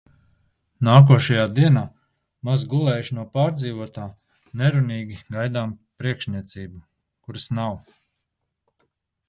Nākošajā dienā, maz gulējuši no pārdzīvotā, nerunīgi gaidām priekšniecību, kuras nav.